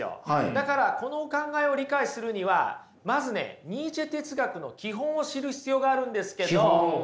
だからこのお考えを理解するにはまずねニーチェ哲学の基本を知る必要があるんですけど。